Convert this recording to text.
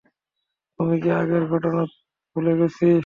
তুই কি আগের ঘটনা ভুলে গেছিস?